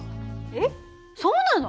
えっそうなの？